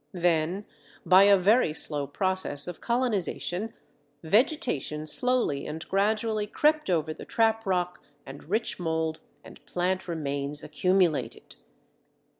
Then by a very slow process of colonization, vegetation slowly and gradually crept over the trap rock and rich mould and plant remains accumulated.